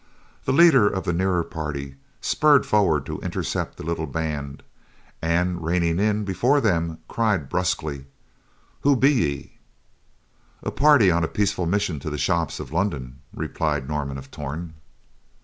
The leader of the nearer party spurred forward to intercept the little band, and, reining in before them, cried brusquely, "Who be ye?" "A party on a peaceful mission to the shops of London," replied Norman of Torn.